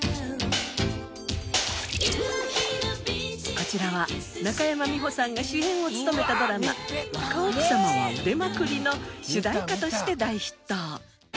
こちらは中山美穂さんが主演を務めたドラマ『若奥さまは腕まくり！』の主題歌として大ヒット。